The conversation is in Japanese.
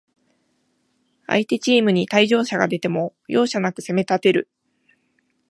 相手チームに退場者が出ても、容赦なく攻めたてる